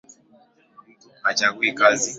Mtu hachagui kazi